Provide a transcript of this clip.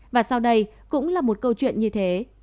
và sau đây cũng là một câu chuyện như thế